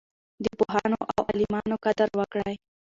د پوهانو او عالمانو قدر وکړئ.